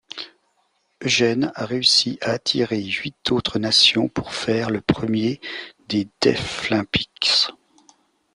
Eugène a réussi à attirer huit autres nations pour faire le premier des Deaflympics.